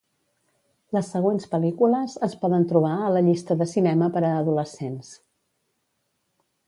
Les següents pel·lícules es poden trobar a la llista de cinema per a adolescents.